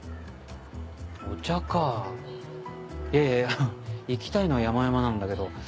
お茶かいやいや行きたいのはやまやまなんだけど。